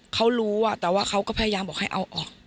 เขารู้แต่ว่าเขาก็พยายามบอกให้เอาออก